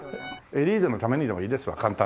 『エリーゼのために』でもいいですわ簡単な。